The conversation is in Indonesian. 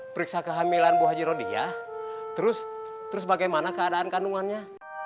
periksa kehamilan bu haji rodi ya terus bagaimana keadaan kandungannya